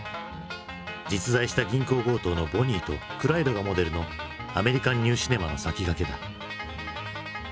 実在した銀行強盗のボニーとクライドがモデルのアメリカン・ニューシネマの先駆けだ。